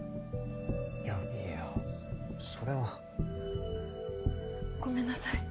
いやいや・それはごめんなさい